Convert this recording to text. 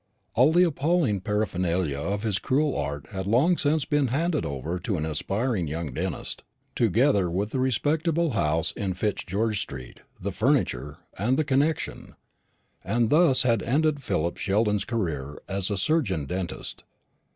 All the appalling paraphernalia of his cruel art had long since been handed over to an aspiring young dentist, together with the respectable house in Fitzgeorge street, the furniture, and the connexion. And thus had ended Philip Sheldon's career as a surgeon dentist.